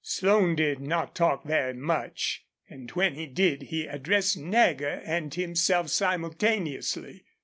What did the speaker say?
Slone did not talk very much, and when he did he addressed Nagger and himself simultaneously.